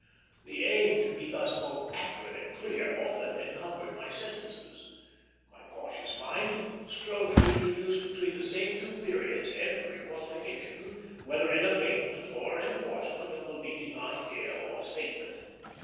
The aim to be thus both accurate and clear often encumbered my sentences. My cautious mind strove to introduce between the same two periods every qualification, whether in abatement or enforcement of the leading idea or statement.